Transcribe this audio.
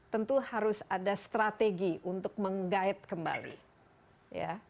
tentu harus ada strategi untuk menggait kembali ya